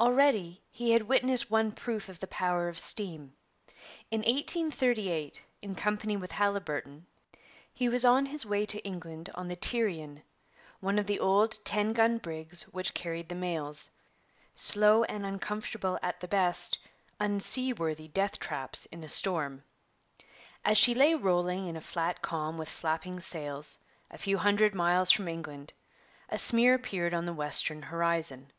Already he had witnessed one proof of the power of steam. In 1838, in company with Haliburton, he was on his way to England on the Tyrian, one of the old ten gun brigs which carried the mails, slow and uncomfortable at the best, unseaworthy death traps in a storm. As she lay rolling in a flat calm with flapping sails, a few hundred miles from England, a smear appeared on the western horizon.